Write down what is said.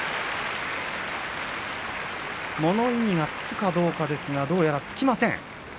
物言いがつくかどうかですがどうやらつきません。